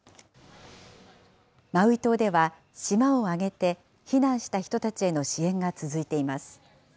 マウイ島では島を挙げて、避難した人たちへの支援が続いています。